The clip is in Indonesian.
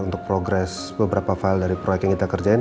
untuk progres beberapa file dari proyek yang kita kerjain